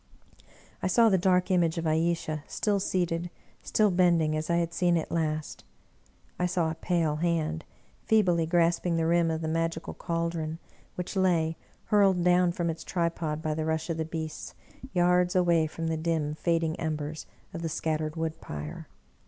I saw the dark image of Ayesha still seated, still bend ing, as I had seen it last. I saw a pale hand feebly grasp ing the rim of the magical caldron, which lay, hurled down from its tripod by the rush of the beasts, yards away from the dim, fading embers of the scattered wood pyre.